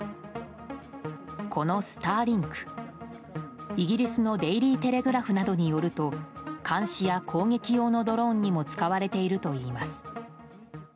このスターリンクイギリスのデイリー・テレグラフなどによると監視や攻撃用のドローンにも使われているといいます。